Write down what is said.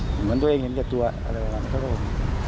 เหมือนตัวเองเห็นกับตัวอะไรแบบนั้นเขาก็บอก